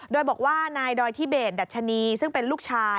โดยบอกว่านายดอยทิเบสดัชนีซึ่งเป็นลูกชาย